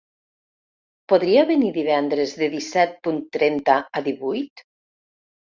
Podria venir divendres de disset punt trenta a divuit?